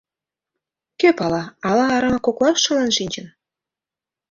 Кӧ пала, ала арама коклаш шылын шинчын?